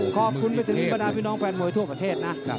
ขอบคุณไปถึงบรรดาพี่น้องแฟนมวยทั่วประเทศนะ